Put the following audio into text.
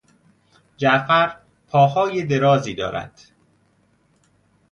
جعفر پاهای درازی دارد.